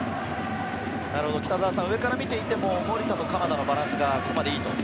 上から見ていても守田と鎌田のバランスがいいと。